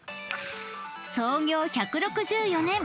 ［創業１６４年。